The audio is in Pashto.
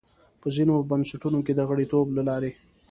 په ځینو بنسټونو کې د غړیتوب له لارې.